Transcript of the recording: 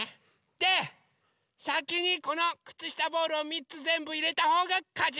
でさきにこのくつしたボールを３つぜんぶいれたほうがかち！